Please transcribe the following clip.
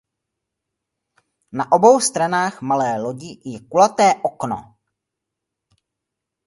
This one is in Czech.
Na obou stranách malé lodi je kulaté okno.